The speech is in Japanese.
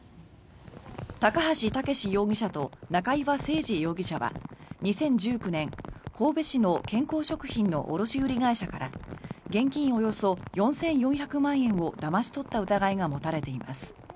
高橋武士容疑者と中岩誠二容疑者は２０１９年、神戸市の健康食品の卸売会社から現金およそ４４００万円をだまし取った疑いが持たれています。